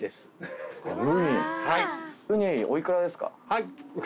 はい。